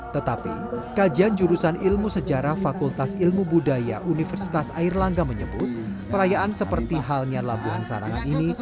tetapi kajian jurusan ilmu sejarah fakultas ilmu budaya universitas airlangga menyebut perayaan seperti halnya labuhan sarangan ini